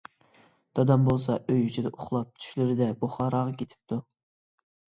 دادام بولسا، ئۆي ئىچىدە ئۇخلاپ چۈشلىرىدە بۇخاراغا كېتىپتۇ.